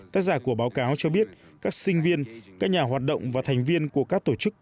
tác giả của báo cáo cho biết các sinh viên các nhà hoạt động và thành viên của các tổ chức